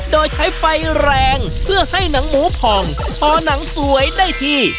โดยใช้ไฟแรงเพื่อให้หนังหมูผ่องพอหนังสวยได้ที่